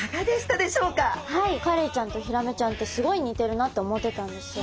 はいカレイちゃんとヒラメちゃんってすごい似てるなって思ってたんですけど。